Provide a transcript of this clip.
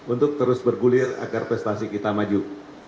untuk terus bergulir agar prestasi kita maju